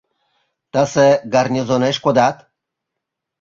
Тысе гарнизонеш кодат?